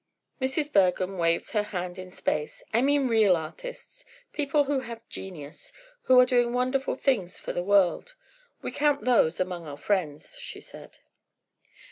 Mrs. Bergham waved her hand in space. "I mean real artists, people who have genius, who are doing wonderful things for the world! We count those among our friends," she said.